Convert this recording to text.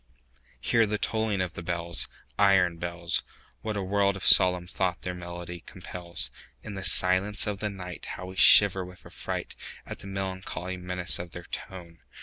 Hear the tolling of the bells, Iron bells! What a world of solemn thought their monody compels! In the silence of the nightHow we shiver with affrightAt the melancholy menace of their tone!